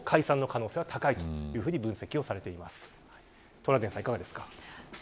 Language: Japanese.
トラウデンさん、いかがですか。